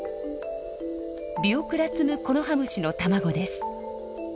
ビオクラツムコノハムシの卵です。